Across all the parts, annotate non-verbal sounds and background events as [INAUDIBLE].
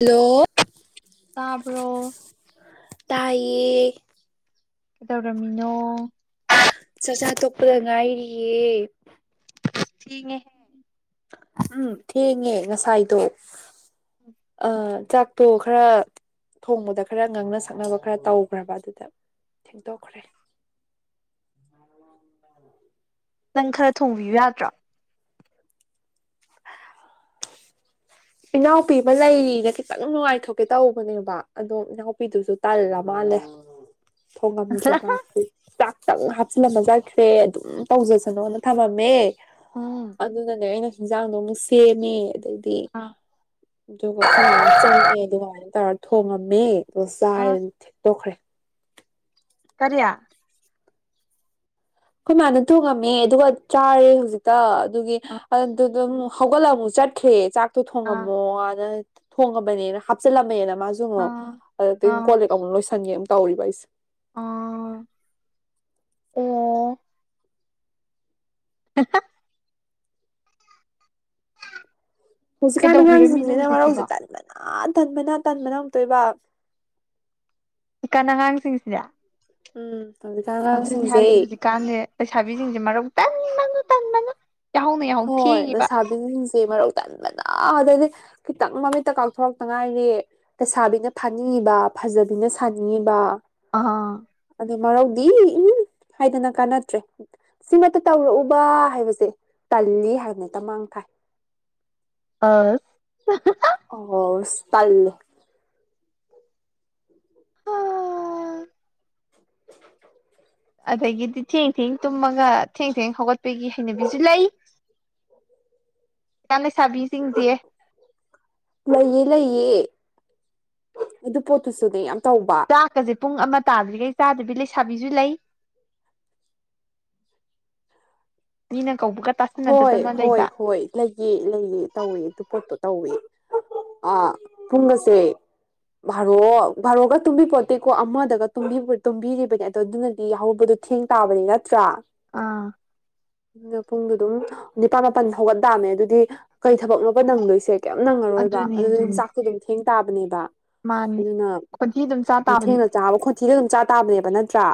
Hello ꯇꯕꯔꯣ ꯇꯌꯦ ꯀꯩꯗꯧꯔꯝꯃꯤꯅꯣ ꯆꯥꯛꯆꯥꯥ ꯇꯣꯛꯄꯗ ꯉꯥꯏꯔꯤꯌꯦ ꯊꯅꯦ ꯎꯝ ꯊꯦꯡꯉꯦ ꯉꯁꯥꯏꯗꯣ ꯑ ꯆꯥꯛꯇꯣ ꯈꯔ ꯊꯣꯡꯕꯗ ꯈꯔ ꯉꯥꯡꯅ ꯁꯛꯅꯕ ꯈꯔ ꯇꯧꯈ꯭ꯔꯕ ꯑꯗꯨꯗ ꯊꯦꯡꯗꯣꯛꯈ꯭ꯔꯦ ꯅꯪ ꯈꯔ ꯊꯣꯡꯕꯤꯌꯨ ꯌꯥꯗ꯭ꯔꯥ ꯏꯅꯥꯎꯄꯤ ꯑꯃ ꯂꯩꯔꯤꯅ ꯈꯤꯇꯪ ꯅꯨꯡꯉꯥꯏꯊꯣꯛꯀꯦ ꯇꯧꯕꯅꯦꯕ ꯑꯗꯣ ꯏꯅꯥꯎꯄꯤꯗꯨꯁꯨ ꯇꯜꯂ ꯃꯥꯜꯂꯦ ꯊꯣꯡꯉꯝꯖ ꯃꯥꯁꯤ ꯆꯥꯛꯇꯪ ꯍꯥꯞꯆꯤꯜꯂꯝꯃ ꯆꯠꯈ꯭ꯔꯦ ꯑꯗꯨꯝ ꯇꯧꯖꯁꯅꯣꯅ ꯊꯝꯃꯝꯃꯦ ꯎꯝ ꯑꯗꯨꯅꯅꯦ ꯑꯩꯅ ꯍꯤꯟꯖꯥꯡꯗꯣ ꯑꯃꯨꯛ ꯁꯦꯝꯃꯦ ꯑꯗꯩꯗꯤ ꯑ ꯑꯗꯨꯒ ꯈꯣꯡꯃꯥꯡ ꯑꯃ ꯆꯪꯉꯛꯑꯦ ꯑꯗꯨꯃꯥꯏꯅ ꯇꯧꯔ ꯊꯣꯡꯉꯝꯃꯦ ꯑꯗꯨꯒ ꯑꯁ ꯆꯥꯏꯔꯅ ꯊꯦꯛꯇꯣꯛꯈ꯭ꯔꯦ ꯀꯔꯤꯌꯥ ꯑꯩꯈꯣꯏ ꯃꯥꯅ ꯊꯣꯡꯉꯝꯃꯦ ꯑꯗꯨꯒ ꯆꯥꯔꯦ ꯍꯧꯖꯤꯛꯇ ꯑꯗꯨꯒꯤ ꯑꯗꯨ ꯑꯗꯨꯝ ꯍꯧꯒꯠꯂ ꯑꯃꯨꯛ ꯆꯠꯈ꯭ꯔꯦ ꯆꯥꯛ ꯇꯨ ꯑꯥ ꯊꯣꯡꯉꯝꯃꯣꯅ ꯊꯣꯡꯉꯕꯅꯤꯅ ꯍꯥꯞꯆꯤꯜꯂꯝꯃꯦꯅ ꯃꯥꯁꯨꯉꯣ ꯑꯥ ꯑꯗ ꯇꯨ ꯑꯥ ꯀꯣꯜꯂ ꯇꯧ ꯂꯣꯏꯁꯟꯒꯦ ꯑꯃ ꯇꯧꯔꯤꯕ ꯑꯩꯁꯦ ꯑ ꯑꯦ ꯍꯠꯇ ꯍꯧꯖꯤꯛꯀꯥꯟꯗ ꯀꯩꯗꯧꯕꯤꯔꯝꯃꯤꯅꯣ ꯑꯉꯥꯡꯁꯤꯡꯁꯤꯅ ꯍꯧꯖꯤꯛꯁꯤꯕꯣ ꯃꯔꯧꯁꯤ ꯇꯟꯕꯅ ꯇꯟꯕꯅ ꯇꯟꯕꯅ ꯉꯝꯛꯇꯣꯏꯕ ꯏꯤꯀꯟ ꯑꯉꯥꯡꯁꯤꯡꯁꯤꯗ ꯎꯝ ꯍꯧꯖꯤꯛꯀꯥꯟ ꯑꯗꯨꯅꯤ ꯑꯉꯥꯡꯁꯤꯡꯁꯦ ꯍꯥꯏꯔꯤꯁꯦ ꯍꯧꯖꯤꯛꯀꯥꯟꯁꯦ ꯂꯩꯁꯥꯕꯤꯁꯤꯡꯁꯦ ꯃꯔ ꯇ ꯍꯣꯏ ꯑꯁꯥꯕꯤꯁꯤꯡꯁꯦ ꯃꯔꯧ ꯇꯟꯕꯅ ꯑꯗꯗꯤ ꯈꯤꯇꯪ ꯃꯃꯤꯠꯇ ꯀꯥꯊꯣꯔꯛꯇ ꯉꯥꯏꯔꯤ ꯇꯁꯥꯕꯤꯅ ꯐꯥꯅꯤꯡꯏꯕ ꯐꯖꯕꯤꯅ ꯁꯥꯅꯤꯡꯏꯕ ꯑ ꯑꯗꯨ ꯃꯔꯧꯗꯤ ꯎꯝ ꯍꯥꯏꯗꯅ ꯀꯥꯟꯅꯗ꯭ꯔꯦ ꯁꯤꯃꯇ ꯇꯧꯔꯛꯎꯕ ꯍꯥꯏꯕꯁꯦ ꯇꯜꯂꯤ ꯍꯥꯏꯕꯅ ꯇ ꯃꯥꯡ ꯊꯥꯏ ꯑ ꯑꯣ ꯇꯥꯏ [UNINTELLIGIBLE] ꯑꯗꯒꯤꯗꯤ ꯊꯦꯡ ꯊꯦꯡ ꯇꯨꯝꯃꯒ ꯊꯦꯡ ꯊꯦꯡ ꯍꯧꯒꯠꯄꯒꯤ ꯍꯩꯅꯕꯤꯁꯨ ꯂꯩ ꯏ ꯂꯩꯁꯥꯕꯤꯁꯤꯡꯁꯦ ꯂꯩꯑ ꯂꯩꯌꯦ ꯑꯗꯨ ꯄꯣꯠꯇꯨꯁꯨꯅꯦ ꯌꯥꯝ ꯇꯧꯕ ꯆꯥꯛꯀꯁꯦ ꯄꯨꯡ ꯑꯃ ꯇꯥꯗ꯭ꯔꯤꯈꯩ ꯆꯥꯗꯕꯤ ꯂꯩꯁꯥꯕꯤꯁꯨ ꯂꯩ ꯃꯤꯅ ꯀꯧꯕꯒ ꯍꯣꯏ ꯇꯥꯁꯟꯅꯗꯗꯅ ꯍꯣꯏ ꯂꯩꯕ ꯍꯣꯏ ꯂꯩꯌꯦ ꯂꯩꯌꯦ ꯇꯧꯏꯦ ꯑꯗꯨ ꯄꯣꯠꯇꯣ ꯇꯧꯏ ꯑ ꯄꯨꯡ ꯑꯁꯦ ꯚꯥꯔꯣ ꯚꯥꯔꯣꯒ ꯇꯨꯝꯕꯤ ꯄꯣꯠꯇꯦꯀꯣ ꯑꯃꯗꯒ ꯇꯨꯝꯕꯤꯔꯤꯕꯅꯦ ꯑꯗꯣ ꯑꯗꯨꯅꯗꯤ ꯌꯥꯎꯍꯧꯕꯗ ꯊꯦꯡ ꯇꯥꯕꯅꯤ ꯅꯠꯇ꯭ꯔꯥ ꯑꯥ ꯑꯗꯨꯅ ꯄꯨꯡꯗꯣ ꯑꯗꯨꯝ ꯅꯤꯄꯥꯜ ꯃꯥꯄꯜ ꯐꯥꯎꯒꯠ ꯇꯥꯑꯃꯦ ꯑꯗꯨꯗꯤ ꯀꯩ ꯊꯕꯛꯅꯣꯅꯕ ꯅꯪꯗꯣꯏꯁꯦ ꯀꯩ ꯅꯪꯉꯔꯣꯏꯕ ꯑꯗꯨꯅꯦ ꯑꯗꯨꯗ ꯑꯗꯨꯅꯦ ꯍꯤꯟꯖꯥꯛꯇꯣ ꯑꯗꯨꯝ ꯊꯦꯡ ꯇꯥꯕꯅꯦꯕ ꯃꯥꯅꯤ ꯈꯣꯟꯊꯤ ꯑꯗꯨꯝ ꯆꯥ ꯇꯥꯕꯅꯤ ꯑꯗꯨꯅꯊꯦꯡꯅ ꯆꯥꯕ ꯈꯣꯟꯊꯤꯗ ꯑꯗꯨꯝ ꯆꯥ ꯇꯥꯕꯅꯦꯕ ꯅꯠꯇ꯭ꯔꯥ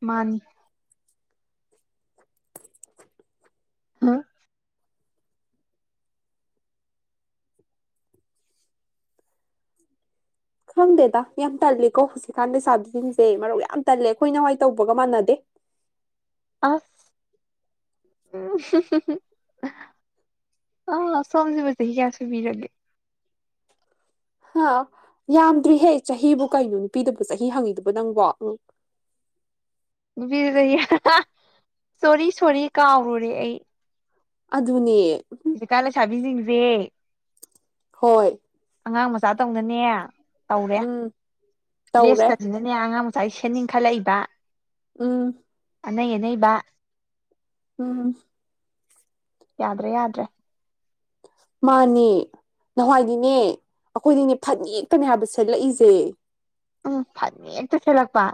ꯃꯥꯅꯤ ꯍꯥ ꯈꯪꯗꯦꯗ ꯌꯥꯝ ꯇꯜꯜꯂꯤꯀꯣ ꯍꯧꯖꯤꯛꯀꯥꯟꯗ ꯁꯥꯥꯕꯤꯁꯤꯡꯁꯦ ꯃꯔꯨꯞ ꯌꯥꯝ ꯇꯜꯂꯦ ꯑꯩꯈꯣꯏ ꯅꯋꯥꯏ ꯇꯧꯕꯒ ꯃꯥꯟꯅꯗꯦ ꯑꯁ ꯑ ꯁꯣꯝꯖꯕꯁ ꯍ ꯀꯌꯥꯁꯨꯕꯤꯔꯦ ꯍꯥ ꯌꯥꯝꯗ꯭ꯔꯤꯍꯦ ꯆꯍꯤꯕꯨ ꯀꯩꯅꯣ ꯅꯨꯄꯤꯗꯨꯕꯨ ꯆꯍꯤ ꯍꯪꯉꯤꯗꯨꯕ ꯅꯪꯕꯣ ꯕꯤ ꯁꯣꯔꯤ ꯁꯣꯔꯤ ꯀꯥꯎꯔꯨꯔꯦ ꯑꯩ ꯑꯗꯨꯅꯦ ꯍꯧꯖꯤꯛ ꯀꯥꯟ ꯂꯩꯁꯕꯤꯁꯤꯡꯁꯦ ꯍꯣꯏ ꯑꯉꯥꯡ ꯃꯆꯥ ꯇꯧꯅꯅꯦ ꯇꯧꯔꯦ ꯎꯝ ꯇꯧꯔꯦ ꯗ꯭ꯔꯦꯁꯀꯁꯤꯅ ꯅꯦ ꯑꯉꯥꯡ ꯃꯆꯥꯥꯏ ꯁꯦꯠꯅꯤꯡꯈꯠꯂꯛꯏꯕ ꯎꯝ ꯅ ꯅꯩꯕ ꯎꯝ ꯌꯥꯗ꯭ꯔꯦ ꯌꯥꯗ꯭ꯔꯦ ꯃꯥꯅꯦ ꯅꯍꯋꯥꯏꯗꯤꯅꯦ ꯑꯩꯈꯣꯏꯗꯤꯅꯦ ꯐꯅꯛꯇꯅꯦ ꯍꯥꯏꯕ ꯁꯦꯠꯂꯛꯏꯁꯦ ꯎꯝ ꯐꯅꯦꯛ ꯍꯦꯛꯇ ꯁꯦꯠꯂꯛꯄ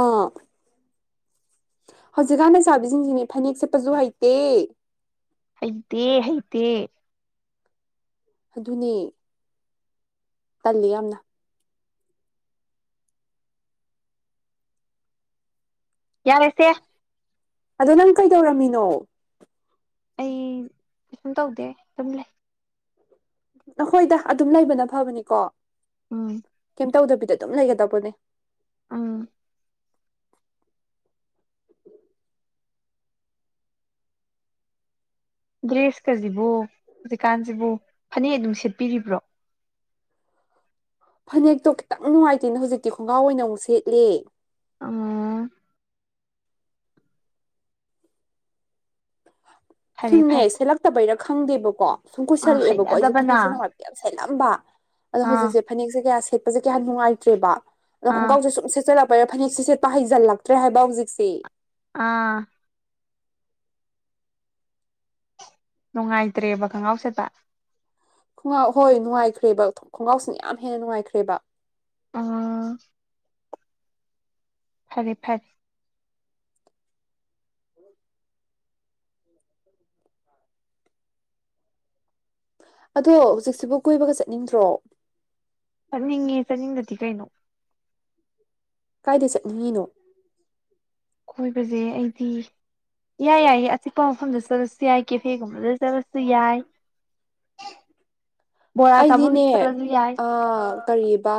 ꯑꯥ ꯍꯧꯖꯤꯛꯀꯥꯟꯗ ꯆꯥꯕꯤꯁꯤꯡꯁꯤꯅꯤ ꯐꯅꯦꯛ ꯁꯦꯠꯄꯁꯨ ꯍꯩꯇꯦ ꯍꯩꯇꯦ ꯍꯩꯇꯦ ꯑꯗꯨꯅꯦ ꯇꯜꯂꯤ ꯌꯥꯝꯅ ꯌꯥꯔꯦꯁꯦ ꯑꯗꯣ ꯅꯪ ꯀꯩꯗꯧꯔꯝꯃꯤꯅꯣ ꯑꯩ ꯀꯩꯁꯨꯝ ꯇꯧꯗꯦ ꯑꯗꯨꯝ ꯂꯩ ꯅꯈꯣꯏꯗ ꯑꯗꯨꯝ ꯂꯩꯕꯅ ꯐꯕꯅꯤꯀꯣ ꯎꯝ ꯀꯩꯝ ꯇꯧꯗꯕꯤꯗ ꯑꯗꯨꯝ ꯂꯩꯒꯗꯧꯕꯅꯦ ꯑꯝ ꯗ꯭ꯔꯦꯁꯀꯁꯤꯕꯨ ꯍꯧꯖꯤꯛꯀꯥꯟꯁꯤꯕꯨ ꯐꯅꯦꯛ ꯑꯗꯨꯝ ꯁꯦꯠꯄꯤꯔꯤꯕ꯭ꯔꯣ ꯐꯅꯦꯛꯇꯣ ꯈꯤꯇꯪ ꯅꯨꯡꯉꯥꯏꯇꯦꯅꯦ ꯍꯧꯖꯤꯛꯇꯤ ꯈꯣꯡꯒꯥꯎ ꯑꯣꯏꯅ ꯑꯃꯨꯛ ꯁꯦꯠꯂꯦ ꯑ ꯐꯔꯦ ꯁꯨꯝꯅꯦ ꯐꯔꯦ ꯁꯦꯠꯂꯛꯇꯕꯩꯔꯥ ꯈꯪꯗꯦꯕꯀꯣ ꯁꯨꯝ ꯑꯥ ꯀꯨꯏꯁꯜꯂꯛꯑꯦꯕꯀꯣ ꯑꯩꯁꯨ ꯍꯩꯅꯗꯕꯅ ꯐꯅꯦꯛꯁꯦꯅ ꯍꯥꯏꯕ ꯌꯥꯝ ꯁꯦꯠꯂꯝꯕ ꯑꯗꯣ ꯑꯥ ꯍꯧꯖꯤꯛꯁꯦ ꯐꯅꯦꯛꯁꯦ ꯀꯌꯥ ꯁꯦꯠꯁꯦ ꯀꯌꯥ ꯅꯨꯡꯉꯇ꯭ꯔꯦꯕ ꯑꯥ ꯑꯅꯣꯣꯡꯀꯥꯎꯁꯦ ꯁꯨꯝ ꯁꯦꯠꯆꯜꯛꯄ ꯔꯦ ꯐꯅꯦꯛꯁꯤꯦ ꯁꯦꯠꯄ ꯍꯩꯖꯜꯂꯛꯇ꯭ꯔꯦ ꯍꯥꯏꯕ ꯍꯧꯖꯤꯛꯁꯤꯦ ꯑꯥ ꯅꯨꯡꯉꯥꯏꯇ꯭ꯔꯦꯕ ꯈꯪꯒ꯭ꯔꯥꯎꯁꯦꯠꯇ ꯈꯣꯡꯒꯥꯎ ꯍꯣꯏ ꯅꯨꯡꯉꯥꯏꯈ꯭ꯔꯦꯕ ꯈꯣꯡꯒꯥꯎꯁꯤꯅ ꯌꯥꯝ ꯍꯦꯟꯅ ꯅꯨꯡꯉꯥꯏꯈ꯭ꯔꯦꯕ ꯑ ꯐꯔꯦ ꯐꯔꯦ ꯎ ꯑꯗꯣ ꯍꯧꯖꯤꯛꯁꯤꯕꯨ ꯀꯣꯏꯕꯒ ꯆꯠꯅꯤꯡꯗ꯭ꯔꯣ ꯆꯠꯅꯤꯡꯉꯦ ꯆꯠꯅꯤꯡꯕꯗꯤ ꯀꯩꯅꯣ ꯀꯥꯏꯗ ꯆꯠꯅꯤꯡꯉꯤꯅꯣ ꯀꯣꯏꯕꯁꯦ ꯑꯩꯗꯤ ꯌꯥꯏ ꯌꯥꯏꯌꯦ ꯑꯆꯤꯛꯄ ꯃꯐꯝꯗ ꯆꯠꯂꯁꯨ ꯌꯥꯏ ꯀꯦꯐꯦꯒꯨꯝꯕꯗ ꯆꯠꯂꯁꯨ ꯌꯥꯏ ꯕꯣꯔꯥ ꯆꯥꯐꯝ ꯑꯩꯗꯤꯅꯦ ꯆꯠꯂꯁꯨ ꯌꯥꯏ ꯑ ꯀꯔꯤꯕ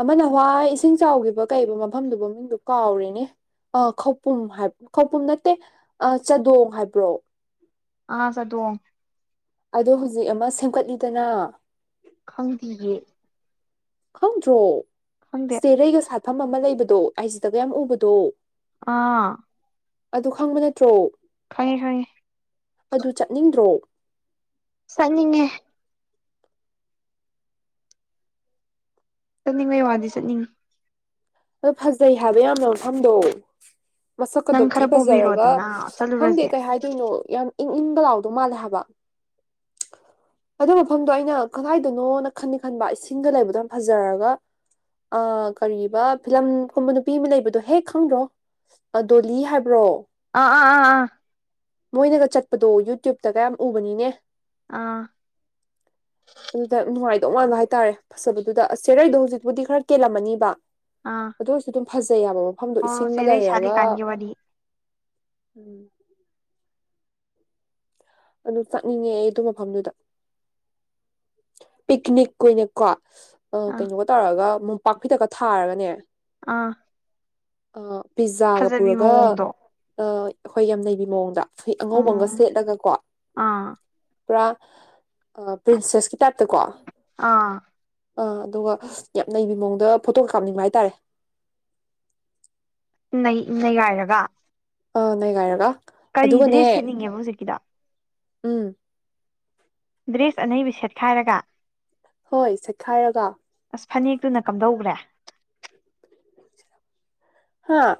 ꯑꯃꯅ ꯍꯋꯥꯏ ꯏꯁꯤꯡ ꯆꯥꯎꯈꯤꯕ ꯀꯩꯕ ꯃꯐꯝꯗꯨꯕꯨ ꯃꯤꯡꯗꯨ ꯀꯥꯎꯔꯤꯅꯦ ꯑ ꯈꯧꯄꯨꯝ ꯍꯥꯏꯕ ꯈꯧꯄꯨꯝ ꯅꯠꯇꯦ ꯑ ꯆꯥꯗꯣꯡ ꯍꯥꯏꯕ꯭ꯔꯣ ꯑꯥ ꯁ ꯇ ꯑꯗꯣ ꯍꯧꯖꯤꯛ ꯑꯃ ꯁꯦꯝꯒꯠꯂꯤꯗꯅ ꯈꯪꯗꯌꯦꯦ ꯈꯪꯗ꯭ꯔꯣ ꯈꯪꯗꯦ ꯆꯦꯔꯩꯒ ꯁꯥꯠꯐꯝ ꯑꯃ ꯂꯩꯕꯗꯣ ꯑꯩꯁꯤꯗꯒ ꯌꯥꯝ ꯎꯕꯗꯣ ꯑꯥ ꯑꯗꯨ ꯈꯪꯕ ꯅꯠꯇ꯭ꯔꯣ ꯈꯪꯉꯦ ꯈꯪꯉꯤ ꯑꯗꯨ ꯆꯠꯅꯤꯡꯗ꯭ꯔꯣ ꯁꯅꯤꯡꯉꯦ ꯆꯠꯅꯤꯡꯉꯩ ꯋꯥꯗꯤ ꯆꯠꯅꯤꯡꯉꯤ ꯍ ꯐꯖꯩ ꯍꯥꯏꯕ ꯌꯥꯝꯅ ꯃꯐꯝꯗꯣ ꯅꯪ ꯃꯁꯛꯀꯗꯕ ꯊꯤ ꯈꯔ ꯐꯖꯔꯒ ꯄꯨꯕꯤꯔꯣꯗꯅ ꯈꯪꯗꯦ ꯆꯠꯂꯨꯔꯁꯦ ꯀꯩ ꯍꯥꯏꯗꯣꯏꯅꯣ ꯌꯥꯝ ꯏꯪ ꯏꯪꯒ ꯂꯥꯎꯗꯧ ꯃꯥꯜꯂꯦ ꯍꯥꯏꯕ ꯑꯗꯨ ꯃꯐꯝꯗꯣ ꯑꯩꯅ ꯀꯗꯥꯏꯗꯅꯣꯅ ꯈꯟꯅꯤ ꯈꯟꯕ ꯏꯁꯤꯡꯗ ꯂꯩꯕꯗꯣ ꯌꯥꯝ ꯐꯖꯔꯒ ꯑ ꯀꯔꯤꯕ ꯐꯤꯂꯝꯒꯨꯝꯕ ꯅꯨꯄꯤ ꯑꯃ ꯂꯩꯕꯗꯣ ꯍꯦꯛ ꯈꯪꯗ꯭ꯔꯣ ꯗꯣꯂꯤ ꯍꯥꯏꯕ꯭ꯔꯣ ꯑꯥ ꯑꯥ ꯑꯥ ꯑꯥ ꯃꯣꯏꯅꯒ ꯆꯠꯄꯗꯣ ꯌꯨꯇ꯭ꯌꯨꯕꯇꯒꯌꯥꯝ ꯎꯕꯅꯤꯅꯦ ꯑꯥ ꯑꯥ ꯑꯗꯨꯅꯨꯡꯉ ꯣꯉꯥꯟꯕ ꯍꯥꯏꯇꯥꯔꯦ ꯐꯖꯕꯗꯨꯗ ꯑꯁ ꯁꯦꯔꯩꯗꯣ ꯍꯧꯖꯤꯛꯄꯨꯗꯤ ꯈꯔ ꯀꯦꯜꯂꯝꯃꯅꯤꯕ ꯑꯥ ꯑꯗꯨ ꯑꯣꯏꯔꯁꯨ ꯑꯗꯨꯝ ꯐꯖꯩ ꯌꯥꯕ ꯃꯐꯝꯗꯣ ꯑꯣ ꯏꯁꯤꯡꯒ ꯆꯦꯔꯩ ꯂꯩꯔꯒ ꯁꯥꯠꯂꯤꯀꯥꯟꯒꯤ ꯋꯥꯔꯤ ꯎꯝ ꯑꯗꯨ ꯆꯥꯛꯅꯤꯡꯉꯦ ꯑꯩ ꯑꯗꯨ ꯃꯐꯝꯗꯨꯗ ꯄꯤꯛꯅꯤꯛ ꯑꯣꯏꯅꯀꯣ ꯑꯥ ꯀꯩꯅꯣꯒ ꯇꯧꯔꯒ ꯃꯣꯝꯄꯥꯛ ꯐꯤꯗꯛꯀ ꯊꯥꯔꯒꯅꯦ ꯑꯥ ꯄꯤꯖꯥꯒ ꯐꯖꯕꯤ ꯄꯨꯔꯒ ꯃꯑꯣꯡꯗꯣ ꯑꯩꯈꯣꯏ ꯌꯥꯝ ꯅꯩꯕꯤ ꯃꯑꯣꯡꯗ ꯣꯏ ꯑꯉꯧꯕꯒ ꯎꯝ ꯁꯦꯠꯂꯒꯀꯣ ꯑꯥ ꯄꯨꯔꯥ ꯄ꯭ꯔꯤꯟꯁꯦꯁꯀꯤ ꯇꯠꯇꯀꯣ ꯑꯥ ꯑꯥ ꯑꯗꯨꯒ ꯌꯥꯝ ꯅꯩꯕ ꯃꯑꯣꯡꯗ ꯐꯣꯇꯣꯒ ꯀ ꯍꯥꯥꯞꯅꯤꯡꯕ ꯍꯥꯏꯇꯥꯔꯦ ꯅ ꯅꯩꯒꯥꯏꯔꯒ ꯑ ꯅ ꯀꯥꯏꯔꯒ ꯀꯔꯤ ꯗ꯭ꯔꯦꯁ ꯁꯦꯠꯅꯤꯡꯉꯦꯕ ꯍꯧꯖꯤꯛꯀꯤꯗ ꯎꯝ ꯗ꯭ꯔꯦꯁ ꯑꯅꯩꯕꯤ ꯁꯦꯠꯈꯥꯏꯔꯒ ꯍꯣꯏ ꯆꯠꯈꯥꯏꯔꯒ ꯑꯁ ꯐꯅꯦꯛꯇꯨꯅ ꯀꯝꯗꯧꯈ꯭ꯔꯦ ꯍꯥꯥ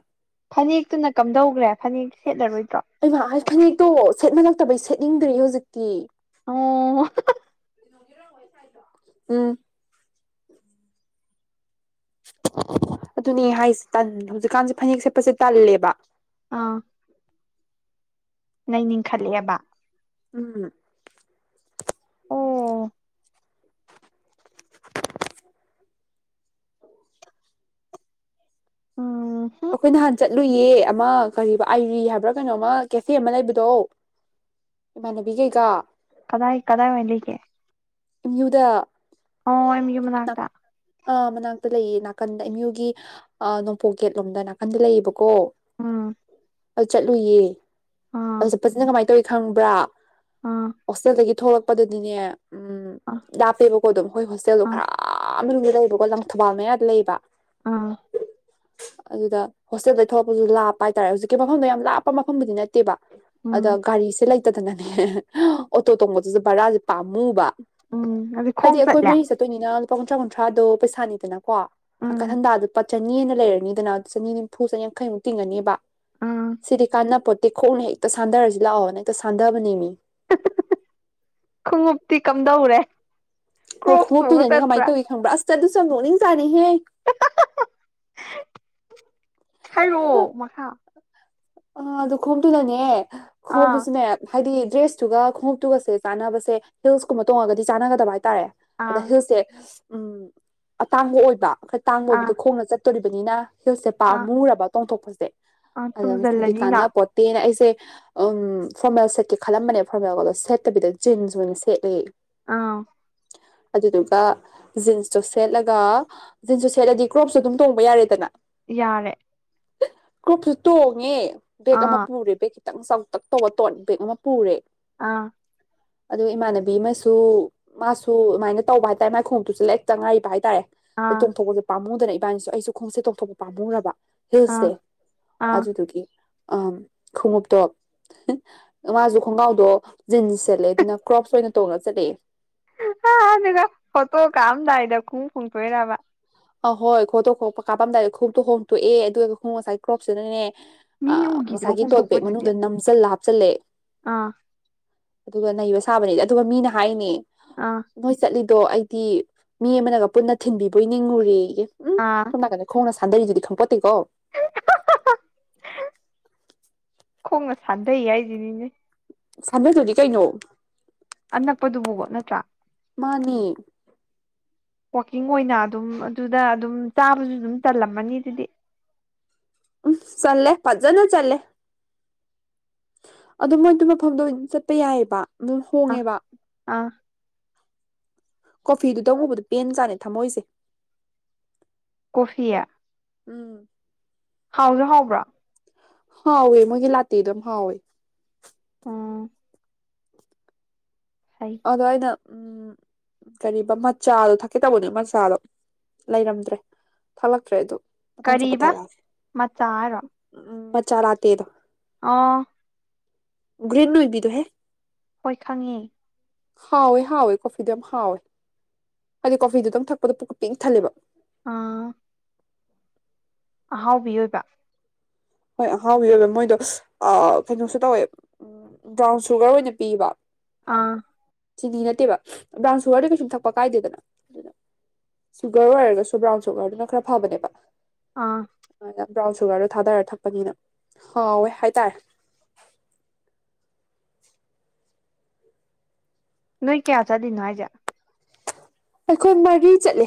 ꯐꯅꯦꯛꯇꯨꯅ ꯀꯝꯗꯧꯈ꯭ꯔꯦ ꯐꯅꯦꯛ ꯁꯦꯠꯂꯔꯣꯏꯗ꯭ꯔꯣ ꯑꯩꯃ ꯍꯥꯏ ꯐꯅꯦꯛꯇꯣ ꯁꯦꯠꯃꯜꯂꯛꯇꯕꯩ ꯁꯦꯠꯅꯤꯡꯗ꯭ꯔꯤꯦ ꯍꯧꯖꯤꯛꯇꯤ ꯑꯣ ꯔꯣꯏꯁꯥꯏꯗ ꯎꯝ ꯑꯗꯨꯅꯦ ꯍꯥꯏꯁꯦ ꯇꯟ ꯍꯧꯖꯤꯛꯀꯥꯟꯁꯦ ꯐꯅꯦꯛ ꯁꯦꯠꯄꯁꯦ ꯇꯜꯂꯦꯕ ꯑꯥ ꯅꯅꯤꯡꯈꯠꯂꯦꯕ ꯎꯝ ꯑꯣ ꯎꯝ ꯍꯨꯝ ꯑꯩꯈꯣꯏ ꯅꯍꯥꯟ ꯆꯠꯂꯨꯏꯌꯦ ꯑꯃ ꯀ ꯑꯥꯏꯔꯤ ꯍꯥꯏꯕ꯭ꯔꯥ ꯀꯩꯅꯣꯃ ꯀꯦꯐꯦ ꯑꯃ ꯂꯩꯕꯗꯣ ꯏꯃꯥꯟꯅꯕꯤ ꯀꯩꯀꯥ ꯀꯗꯥꯏ ꯀꯗꯥꯏ ꯑꯣꯏ ꯂꯩꯒꯦ ꯅ꯭ꯨꯗ ꯑꯣ ꯑꯩꯒꯤ ꯃꯅꯥꯛꯇ ꯑ ꯃꯅꯥꯛꯇ ꯂꯩꯌꯦ ꯅꯥꯀꯟꯗ ꯏꯌꯨꯒꯤ ꯑ ꯅꯣꯡꯄꯣꯛ ꯒꯦꯠꯂꯣꯝꯗ ꯅꯥꯀꯟꯗ ꯂꯩꯌꯦꯕꯀꯣ ꯀꯣ ꯎꯝ ꯑ ꯆꯠꯂꯨꯌꯦ ꯑꯥ ꯑꯗ ꯆꯠꯄꯁꯤꯅ ꯀꯃꯥꯏꯅ ꯇꯧꯋꯤ ꯈꯪꯕ꯭ꯔꯥ ꯑꯥ ꯍꯣꯁꯇꯦꯜꯗꯒꯤ ꯊꯣꯛꯂꯛꯄꯗꯗꯤꯅꯦ ꯎꯝ ꯑꯥ ꯂꯥꯞꯄꯦꯕꯀꯣ ꯑꯗꯨꯝ ꯑꯩꯈꯣꯏ ꯍꯣꯁꯇꯦꯜꯗꯣ ꯑꯥ ꯈꯔ ꯃꯅꯨꯡꯗ ꯂꯩꯕꯀꯣ ꯂꯪ ꯊꯧꯕꯥꯜ ꯃꯌꯥꯗ ꯂꯩꯕ ꯑꯥ ꯑꯗꯨꯗ ꯍꯣꯁꯇꯦꯜꯗ ꯊꯣꯛꯂꯛꯄꯁꯨ ꯂꯥꯞꯄ ꯍꯥꯏꯇꯥꯔꯦ ꯍꯧꯖꯤꯛꯀꯤ ꯃꯐꯝꯗ ꯌꯥꯝ ꯂꯥꯞꯄ ꯃꯐꯝꯕꯨꯗꯤ ꯅꯠꯇꯦꯕ ꯑꯗ ꯎꯝ ꯒꯥꯔꯤꯁꯦ ꯂꯩꯇꯗꯅꯅꯦ ꯑꯣꯇꯣ ꯇꯣꯡꯕꯗꯨꯁꯨ ꯕꯔꯥꯁꯦ ꯄꯥꯝꯃꯨꯕ ꯎꯝ ꯑꯗꯨ ꯍꯥꯏꯗꯤ ꯈꯣꯡ ꯑꯩꯈꯣꯏ ꯆꯠꯂꯦ ꯃꯔꯤ ꯆꯠꯇꯣꯏꯅꯤꯅ ꯂꯨꯄꯥ ꯀꯨꯟꯊ꯭ꯔꯥ ꯀꯨꯟꯊ꯭ꯔꯥꯗꯣ ꯄꯩꯁꯥꯅꯤꯗꯅ ꯀꯣ ꯎꯝ ꯍꯪꯀꯠ ꯍꯟꯇꯥ ꯂꯨꯄꯥ ꯆꯅꯤꯑꯅ ꯂꯩꯔꯅꯤꯗꯅ ꯆꯅꯤ ꯅꯤꯝꯐꯨ ꯆꯅꯤ ꯌꯥꯡꯈꯩꯃꯨꯛ ꯇꯤꯡꯒꯅꯤꯕ ꯎꯝ ꯁꯤꯗꯤ ꯀꯥꯟꯅꯄꯣꯠꯇꯦ ꯈꯣꯡꯅ ꯍꯦꯛꯇꯣ ꯁꯥꯟꯊꯔꯁꯤ ꯂꯥꯛꯑꯣꯅꯦ ꯑꯦꯛꯇꯣ ꯁꯥꯟꯊꯕꯅꯦ ꯃꯤ ꯈꯣꯡꯎꯞꯇꯤ ꯀꯝꯗꯧꯔꯦ ꯍꯣꯏ ꯀ꯭ꯔꯣꯞꯁ ꯇꯣꯡꯉ ꯈꯣꯡꯎꯞꯇꯨꯗꯅꯤ ꯆꯠꯄ꯭ꯔꯥ ꯀꯃꯥꯏꯅ ꯇꯧꯏꯤ ꯈꯪꯕ꯭ꯔꯥ ꯑꯁꯇ ꯑꯗꯨꯁꯨ ꯅꯣꯛꯅꯤꯡ ꯆꯥꯅꯤꯍꯦ ꯍꯥꯏꯔꯛꯑꯣ ꯃꯈꯥ ꯑ ꯑꯗꯨ ꯈꯣꯝꯗꯨꯅꯅꯦ ꯑꯥ ꯈꯣꯝꯗꯨꯁꯨꯅꯦ ꯍꯥꯏꯗꯤ ꯗ꯭ꯔꯦꯁꯇꯨꯒ ꯈꯣꯡꯎꯞꯇꯨꯒꯁꯦ ꯆꯥꯅꯕꯁꯦ ꯍꯤꯜꯁꯀꯨꯝꯕ ꯇꯣꯡꯉꯒꯗꯤ ꯆꯥꯟꯅꯒꯗꯕ ꯍꯥꯏꯇꯥꯔꯦ ꯑꯗ ꯑꯥ ꯍꯤꯜꯁꯦ ꯎꯝ ꯑꯇꯥꯡꯕ ꯑꯣꯏꯕ ꯑꯩꯣꯏ ꯇꯥꯡꯕ ꯑꯥ ꯑꯣꯏꯕꯗꯣ ꯈꯣꯡꯅ ꯆꯠꯇꯣꯔꯤꯕꯅꯤꯅ ꯍꯤꯜꯁꯦ ꯄꯥꯝꯃꯨꯔꯕ ꯇꯣꯡꯊꯣꯛꯄꯁꯦ ꯑ ꯇꯨꯝꯁꯤꯜꯂꯅꯤꯅ ꯄꯣꯠꯇꯅꯁꯦ ꯎꯝ ꯐꯣꯔꯃꯦꯜ ꯁꯦꯠꯀꯦ ꯈꯜꯂꯝꯕꯅꯦ ꯐꯣꯔꯃꯦꯜꯒꯗꯣ ꯁꯦꯠꯇꯕꯤꯗ ꯖꯤꯟꯁ ꯑꯣꯏꯅ ꯁꯦꯠꯂꯤ ꯑꯥ ꯑꯗꯨꯗꯨꯒ ꯖꯤꯟꯁꯇꯣ ꯁꯦꯠꯂꯒ ꯖꯤꯟꯁꯨ ꯁꯦꯠꯂꯗꯤ ꯀ꯭ꯔꯣꯞꯁꯨ ꯑꯗꯨꯝ ꯇꯣꯡꯕ ꯌꯥꯔꯦꯗꯅ ꯌꯥꯔꯦ ꯀ꯭ꯔꯨꯞꯁꯨ ꯇꯣꯡꯉꯦ ꯕꯦꯒ ꯑꯃ ꯑꯥ ꯄꯨꯔꯦ ꯕꯦꯒ ꯈꯤꯇꯪ ꯆꯥꯛꯇꯛ ꯇꯧꯕ ꯇꯣꯠ ꯕꯦꯛ ꯑꯃ ꯄꯨꯔꯦ ꯑꯥ ꯑꯗꯣ ꯏꯃꯥꯟꯅꯕꯤ ꯑꯃꯁꯨ ꯃꯥꯁꯨ ꯑꯗꯨꯃꯥꯏꯅ ꯇꯧꯕ ꯍꯥꯏꯇꯥꯔꯦ ꯃꯥꯏꯈꯣꯡꯗꯨꯨꯁꯨ ꯂꯦꯛ ꯆꯪꯉꯥꯏꯕ ꯍꯥꯏꯇꯥꯔꯦ ꯑꯗꯨ ꯑꯥ ꯇꯣꯡꯊꯣꯛꯄꯁꯦ ꯄꯥꯝꯃꯨꯗꯅ ꯏꯕꯥꯅꯤꯁꯨ ꯑꯩꯁꯨ ꯈꯣꯡꯎꯞꯁꯦ ꯇꯣꯡꯊꯣꯛꯄ ꯄꯥꯝꯃꯨꯔꯕ ꯑꯥ ꯍꯤꯜꯁꯇꯦ ꯑꯥ ꯑꯗꯨꯗꯨꯒꯤ ꯑꯝ ꯈꯣꯡꯎꯞꯇꯣꯞ ꯃꯥꯁꯨ ꯈꯣꯡꯒ꯭ꯔꯥꯎꯗꯣ ꯖꯤꯟꯁ ꯁꯦꯠꯂꯦ ꯑꯗꯨꯅ ꯀ꯭ꯔꯣꯞꯁ ꯑꯣꯏꯅ ꯇꯣꯡꯉ ꯆꯠꯂꯦ ꯐꯣꯇꯣ ꯀꯥꯞꯑꯝꯗꯥꯏꯗ ꯈꯣꯡꯎꯞ ꯍꯣꯡꯗꯣꯛꯏꯔꯕ ꯑꯍꯣꯏ ꯈꯣꯠꯇꯣꯛ ꯈꯣꯛꯄ ꯀꯥꯞꯄꯝꯗꯥꯏꯗ ꯈꯣꯡꯎꯞꯇꯨ ꯍꯣꯡꯇꯣꯛꯑꯦ ꯑꯗꯨꯒ ꯈꯣꯡꯎꯞ ꯉꯁꯥꯏ ꯀ꯭ꯔꯣꯞꯁꯤꯅꯅꯦ ꯑ ꯃꯤ ꯎꯈꯤꯗ꯭ꯔꯣ ꯉꯁꯥꯏꯒꯤ ꯇꯣꯠ ꯕꯦꯛ ꯍꯣꯡꯇꯣꯛꯄꯗꯨꯗꯤ ꯃꯅꯨꯡꯗ ꯅꯝꯁꯤꯜꯂ ꯍꯥꯞꯆꯜꯂꯦ ꯑꯥ ꯑꯗꯨꯒ ꯅꯩꯕ ꯁꯥꯕꯅꯦꯗꯤ ꯑꯗꯨꯒ ꯃꯤꯅ ꯍꯥꯏꯅꯦ ꯑꯥ ꯅꯣꯏ ꯆꯠꯂꯤꯗꯣ ꯑꯩꯗꯤ ꯃꯤ ꯑꯃꯅꯒ ꯄꯨꯟꯅ ꯊꯤꯟꯕꯤꯕꯣꯏ ꯅꯤꯡꯉꯨꯔꯦ ꯎ ꯑꯥ ꯅꯥꯀ ꯈꯣꯡꯅ ꯁꯥꯟꯗꯔꯤꯗꯨꯗꯤ ꯈꯪꯄꯣꯠꯇꯦꯀꯣ ꯈꯣꯡꯅ ꯁꯥꯟꯊꯩꯌꯦ ꯍꯥꯏꯁꯤꯅꯤꯅꯦ ꯑꯁ ꯑꯗꯨꯗꯨꯅꯤ ꯀꯩꯅꯣ ꯑꯅꯛꯄꯗꯨꯕꯨ ꯅꯠꯇ꯭ꯔꯥ ꯃꯥꯅꯤ ꯋꯥꯛꯀꯤꯡ ꯑꯣꯏꯅ ꯑꯗꯨꯝ ꯑꯗꯨꯗ ꯑꯗꯨꯝ ꯆꯥꯕꯁꯨ ꯑꯗꯨꯝ ꯆꯜꯂꯝꯃꯅꯤ ꯑꯗꯨꯗꯤ ꯎꯝ ꯆꯜꯂꯦ ꯐꯖꯅ ꯆꯜꯂꯦ ꯑꯗꯨ ꯃꯣꯏꯗꯨ ꯃꯐꯝꯗꯣ ꯆꯠꯄ ꯌꯥꯏꯑꯕ ꯑꯗꯨꯝ ꯑꯥ ꯍꯣꯡꯉꯦꯕ ꯑꯥ ꯀꯣꯐꯤꯗꯨꯗ ꯎꯕꯗ ꯄꯦꯟ ꯖꯥꯠꯅꯤ ꯊꯝꯃꯣꯏꯁꯦ ꯀꯣꯐꯤ ꯎꯝ ꯍꯥꯎꯁꯨ ꯍꯥꯎꯕ꯭ꯔꯣ ꯍꯥꯎꯋꯦ ꯃꯣꯏꯒꯤ ꯂꯥꯠꯇꯦꯗꯣ ꯌꯥꯝ ꯍꯥꯎꯋꯦ ꯎꯝ ꯐꯩ ꯑꯗꯣ ꯑꯩꯅ ꯎꯝ ꯀꯔꯤꯕ ꯃꯠꯆꯥꯗꯣ ꯊꯛꯀꯦ ꯇꯧꯕꯅꯦ ꯃꯠꯆꯥꯗꯣ ꯂꯩꯔꯝꯗ꯭ꯔꯦ ꯊꯛꯂꯛꯇ꯭ꯔꯦ ꯑꯗꯨ ꯃꯊꯪ ꯆꯠꯄ ꯀꯔꯤꯕ ꯊꯛꯂꯛꯑꯒꯦ ꯃꯆꯥ ꯍꯥꯏꯔꯣ ꯃꯠꯆꯥ ꯂꯥꯇꯦꯗꯣ ꯑꯣ ꯒ꯭ꯔꯤꯟ ꯑꯣꯏꯕꯤꯗꯨꯍꯦ ꯍꯣꯏ ꯈꯪꯉꯦ ꯍꯥꯎꯋꯦ ꯍꯥꯎꯋꯦ ꯀꯣꯐꯤꯗꯣ ꯌꯥꯝ ꯍꯥꯎꯋꯦ ꯍꯥꯏꯗꯤ ꯀꯣꯐꯤꯗꯨꯗꯪ ꯊꯛꯄꯗ ꯄꯨꯛꯀ ꯄꯤꯛ ꯊꯜꯂꯦꯕ ꯑꯥ ꯑꯍꯥꯎꯕꯤ ꯑꯣꯏꯕ ꯍꯣꯏ ꯑꯍꯥꯎꯕꯤ ꯌꯣꯜꯂꯦ ꯃꯣꯏꯗꯣ ꯑ ꯀꯩꯅꯣꯁꯨ ꯇꯧꯋꯦ ꯎꯝ ꯕ꯭ꯔꯥꯎꯟ ꯁꯨꯒꯔ ꯑꯣꯏꯅ ꯄꯤꯕ ꯑꯥ ꯆꯤꯅꯤ ꯅꯠꯇꯦꯕ ꯕ꯭ꯔꯥꯎꯟ ꯁꯨꯒꯔꯗꯤ ꯀꯩꯁꯨꯝ ꯊꯛꯄ ꯀꯥꯏꯗꯦꯗꯅ ꯑꯗꯨꯅ ꯁꯨꯒꯔ ꯑꯣꯏꯔꯒꯁꯨ ꯕ꯭ꯔꯥꯎꯟ ꯁꯨꯒꯔꯗꯨꯅ ꯈꯔ ꯐꯕꯅꯦꯕ ꯑꯥ ꯕ꯭ꯔꯥꯎꯟ ꯁꯨꯒꯔꯗꯣ ꯊꯥꯗꯔ ꯊꯛꯄꯅꯤꯅ ꯍꯥꯎꯋꯦ ꯍꯥꯏꯇꯥꯔꯦ ꯅꯣꯏ ꯀꯌꯥ ꯆꯠꯂꯤꯅꯣ ꯍꯥꯏꯁꯦ ꯑꯩꯈꯣꯏ ꯃꯔꯤ ꯆꯠꯂꯦ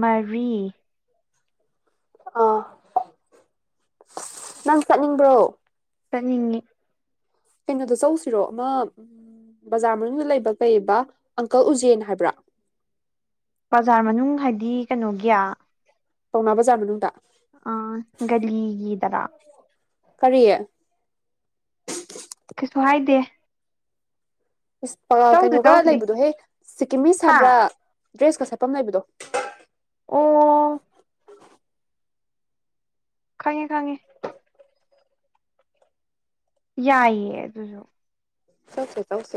ꯃꯔꯤ ꯑꯥ ꯅꯪ ꯆꯠꯅꯤꯡꯕ꯭ꯔꯣ ꯆꯠꯅꯤꯡꯉꯤ ꯀꯩꯅꯣꯗꯣ ꯆꯠꯂꯨꯁꯤꯔꯣ ꯑꯃ ꯕꯖꯥꯔ ꯃꯅꯨꯡꯗ ꯂꯩꯕ ꯀꯩꯕ ꯑꯪꯀꯜ ꯎꯖꯦꯟ ꯍꯥꯏꯕ꯭ꯔꯥ ꯕꯖꯥꯔ ꯃꯅꯨꯡ ꯍꯥꯏꯗꯤ ꯀꯩꯅꯣꯒꯤꯌꯥ ꯄꯥꯎꯅ ꯕꯥꯖꯥꯔ ꯃꯅꯨꯡꯗꯥ꯫ ꯑ ꯒꯥꯂꯤꯒꯤꯗꯔꯥ꯫ ꯀꯔꯤ꯫ ꯀꯩꯁꯨ ꯍꯥꯏꯗꯦ꯫ ꯏꯁ ꯆꯧꯁꯤ ꯀꯩꯅꯣꯒ ꯆꯧꯁꯤ ꯂꯩꯕꯗꯣꯍꯦ ꯁꯤꯀꯤꯝꯃꯤꯁ ꯍꯥ ꯍꯥꯏꯕ꯭ꯔꯥ ꯗ꯭ꯔꯦꯁꯀ ꯁꯦꯠꯐꯝ ꯂꯩꯕꯗꯣ꯫ ꯑꯣ꯫ ꯈꯪꯉꯦ ꯈꯪꯉꯦ꯫ ꯌꯥꯏꯌꯦ ꯑꯗꯨꯁꯨ꯫ ꯆꯧꯁꯦ ꯆꯧꯁꯦ